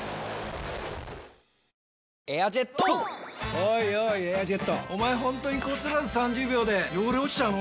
おいおい「エアジェット」おまえホントにこすらず３０秒で汚れ落ちちゃうの？